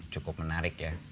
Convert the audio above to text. cukup menarik ya